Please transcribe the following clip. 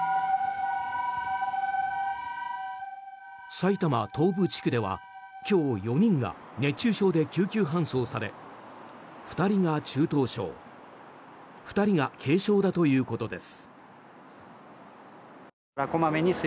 埼玉東部地区では今日４人が熱中症で救急搬送され２人が中等症２人が軽症だということです。